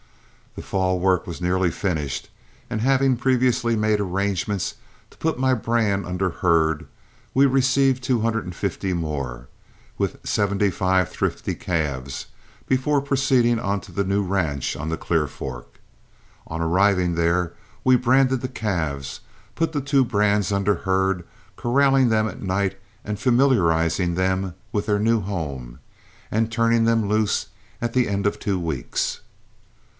The fall work was nearly finished, and having previously made arrangements to put my brand under herd, we received two hundred and fifty more, with seventy five thrifty calves, before proceeding on to the new ranch on the Clear Fork. On arriving there we branded the calves, put the two brands under herd, corralling them at night and familiarizing them with their new home, and turning them loose at the end of two weeks.